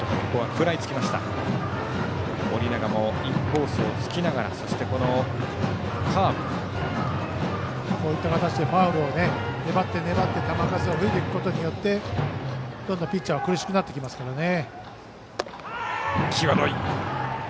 盛永もインコースを突きながらそして、このカーブ。ファウルで粘って球数を増やしていくことによってピッチャーは苦しくなってきますからね。